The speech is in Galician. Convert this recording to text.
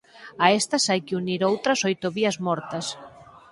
A estas hai que unir outras oito vías mortas.